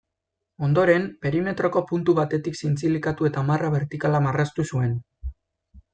Ondoren, perimetroko puntu batetik zintzilikatu eta marra bertikala marraztu zuen.